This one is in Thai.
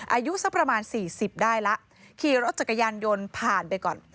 อายุสักประมาณสี่สิบได้แล้วขี่รถจักรยานยนต์ผ่านไปก่อน